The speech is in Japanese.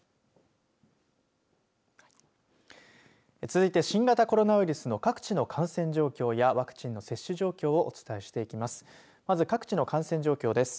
続いて新型コロナウイルスの各地の感染状況やワクチンの接種状況をお伝えしていきます。